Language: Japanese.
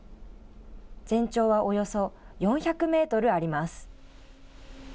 全長はおよそ４００メートルあります。